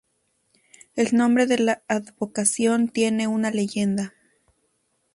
El nombre de la advocación tiene una leyenda.